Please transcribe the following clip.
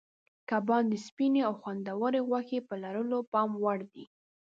کبان د سپینې او خوندورې غوښې په لرلو پام وړ دي.